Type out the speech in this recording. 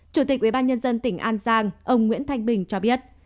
chủ tịch ubnd tỉnh an giang ông nguyễn thanh bình cho biết